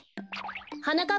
はなかっ